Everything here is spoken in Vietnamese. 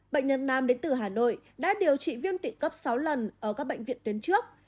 bệnh nhân nam đến từ hà nội đã điều trị viêm tỷ cấp sáu lần ở các bệnh viện tuyến trước